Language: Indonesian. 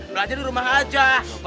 belajar di rumah aja